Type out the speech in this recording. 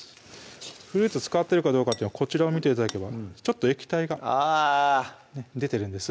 フルーツ漬かってるかどうかはこちらを見て頂ければちょっと液体が出てるんです